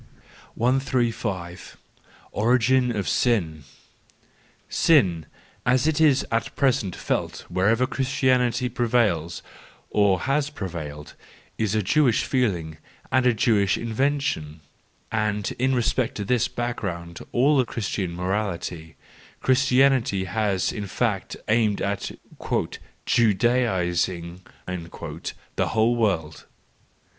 135 Origin of Sin. —Sin, as it is at present felt wherever Christianity prevails or has prevailed, is a Jewish feeling and a Jewish invention; and in respect to this background of all Christian morality, Christianity has in fact aimed at " Judaising" the whole world.